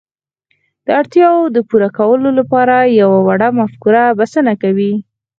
د اړتياوو د پوره کولو لپاره يوه وړه مفکوره بسنه کوي.